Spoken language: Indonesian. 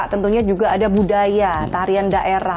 tentunya juga ada budaya tarian daerah